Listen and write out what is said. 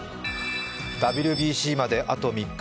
ＷＢＣまであと３日。